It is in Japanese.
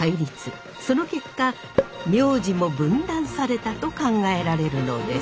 その結果名字も分断されたと考えられるのです。